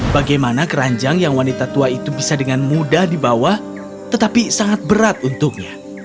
bagaimana keranjang yang wanita tua itu bisa dengan mudah dibawa tetapi sangat berat untuknya